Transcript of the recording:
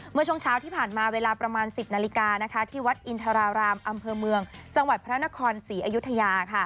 เมื่อช่วงเช้าที่ผ่านมาเวลาประมาณ๑๐นาฬิกาที่วัดอินทรารามอำเภอเมืองจังหวัดพระนครศรีอยุธยา